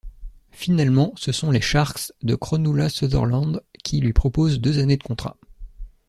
Finalement, ce sont les Sharks de Cronulla-Sutherland qui lui proposent deux années de contrat.